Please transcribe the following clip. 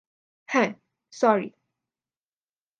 হ্যাঁ, স্যরি।